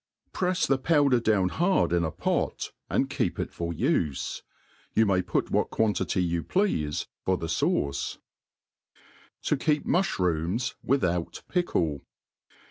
I^refs the powder down hard in a pot^ and keep it fo^ ^fe• Tott may put jvhat quantity you plea/e^for tl;ie fav|ce^ '' Ti keep Mujbrooms without Picili.